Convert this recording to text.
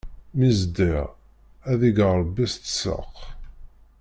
Mi ẓdiɣ, ad ig Ṛebbi tsaq!